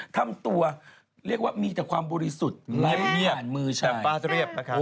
ทำตัวเรียกว่ามีแต่ความบริสุทธิ์แบบภาษาเรียบนะครับ